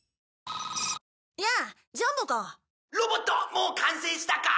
もう完成したか？」